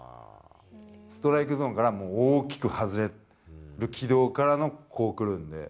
ストライクゾーンから、もう大きく外れる軌道からのこう来るんで。